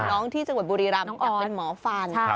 น้องที่จังหวัดบุรีรัมศ์เป็นหมอฟัน